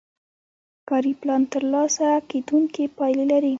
کاري پلان ترلاسه کیدونکې پایلې لري.